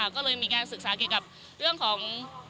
ก็เลยมีการศึกษาเกี่ยวกับเรื่องของ